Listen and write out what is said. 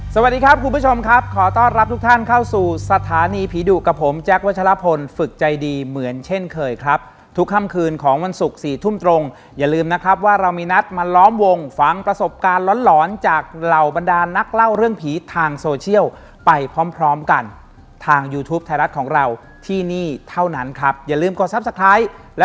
สวัสดีครับคุณผู้ชมครับขอต้อนรับทุกท่านเข้าสู่สถานีผีดุกับผมแจ๊ควัชลพลฝึกใจดีเหมือนเช่นเคยครับทุกค่ำคืนของวันศุกร์๔ทุ่มตรงอย่าลืมนะครับว่าเรามีนัดมาล้อมวงฟังประสบการณ์หลอนหลอนจากเหล่าบรรดานักเล่าเรื่องผีทางโซเชียลไปพร้อมพร้อมกันทางยูทูปไทยรัฐของเราที่นี่เท่านั้นครับอย่าลืมกดซับส